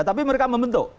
tapi mereka membentuk